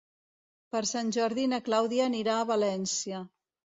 Per Sant Jordi na Clàudia anirà a València.